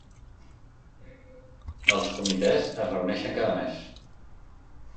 Els comitès es reuneixen cada mes.